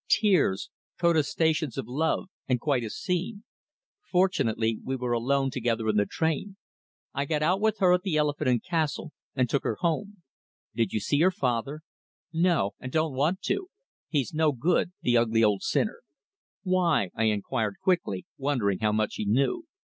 "Tears, protestations of love, and quite a scene. Fortunately we were alone together in the train. I got out with her at the Elephant and Castle, and took her home." "Did you see her father?" "No. And don't want to. He's no good the ugly old sinner." "Why?" I inquired quickly, wondering how much he knew.